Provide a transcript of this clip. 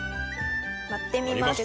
割ってみます。